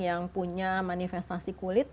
yang punya manifestasi kulit